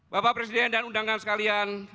bapak presiden dan undangan sekalian